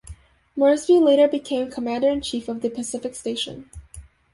Moresby later became Commander-in-Chief of the Pacific Station.